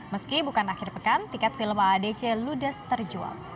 meski bukan akhir pekan tiket film aadc ludes terjual